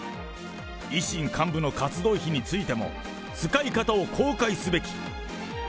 維新幹部の活動費についても、使い方を公開すべき。